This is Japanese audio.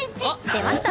出ました！